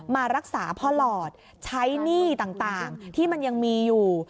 มารักษาพ่อหลอดใช้หนี้ต่างที่มันยังมีอยู่